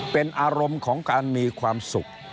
เป็นอารมณ์ของการมีความสุข